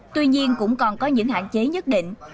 tuy nhiên cũng còn có những hạn chế nhất định